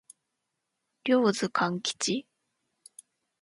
両津勘吉